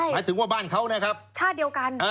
หมายถึงว่าบ้านเขานะครับชาติเดียวกัน